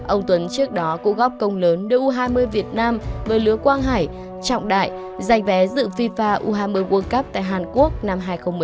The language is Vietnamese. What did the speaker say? ông tuấn trước đó cũng góp công lớn u hai mươi việt nam với lứa quang hải trọng đại giành vé dự fifa u hai mươi world cup tại hàn quốc năm hai nghìn một mươi